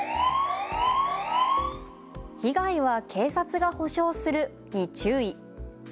被害は警察が補償するに注意。